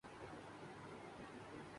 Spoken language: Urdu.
لہذا معلومات اخبارات سے ہی حاصل ہوتی ہیں۔